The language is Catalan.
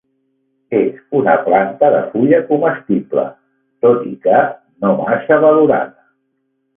És una planta de fulla comestible, tot i que no massa valorada.